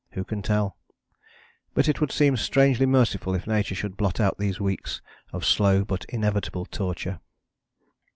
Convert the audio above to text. Who can tell? But it would seem strangely merciful if nature should blot out these weeks of slow but inevitable torture."